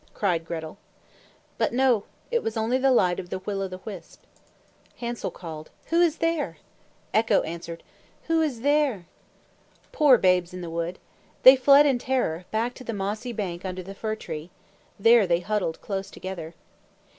cried Gretel. But no, it was only the light of the will o' the wisp. Hansel called, "Who is there?" Echo answered, "Who is there?" Poor Babes in the Wood! They fled in terror, back to the mossy bank under the fir tree. There they huddled close together.